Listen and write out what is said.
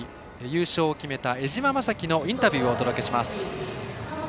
優勝を決めた江島雅紀のインタビューをお届けします。